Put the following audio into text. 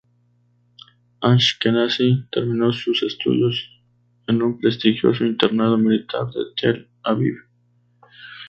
Ashkenazi terminó sus estudios en un prestigioso internado militar de Tel Aviv.